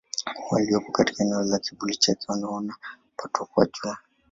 Watu waliopo katika eneo la kivuli chake wanaona kupatwa kwa Jua.